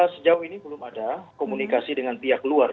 sejauh ini belum ada komunikasi dengan pihak luar